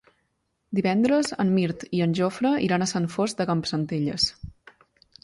Divendres en Mirt i en Jofre iran a Sant Fost de Campsentelles.